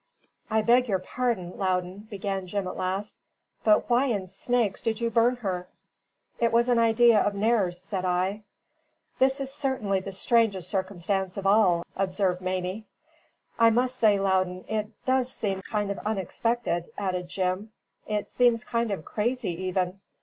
"I beg your pardon, Loudon," began Jim at last, "but why in snakes did you burn her?" "It was an idea of Nares's," said I. "This is certainly the strangest circumstance of all," observed Mamie. "I must say, Loudon, it does seem kind of unexpected," added Jim. "It seems kind of crazy even.